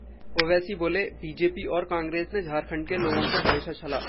ओवैसी बोले- बीजेपी और कांग्रेस ने झारखंड के लोगों को हमेशा छला